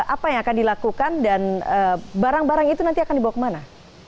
apa yang akan dilakukan dan barang barang itu nanti akan dibawa kemana